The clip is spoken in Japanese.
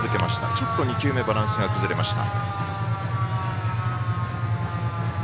ちょっと２球目バランスが崩れました。